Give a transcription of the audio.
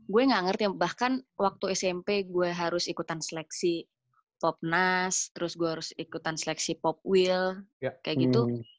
gue gak ngerti bahkan waktu smp gue harus ikutan seleksi popnas terus gue harus ikutan seleksi pop will kayak gitu